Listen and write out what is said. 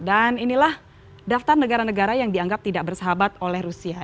dan inilah daftar negara negara yang dianggap tidak bersahabat oleh rusia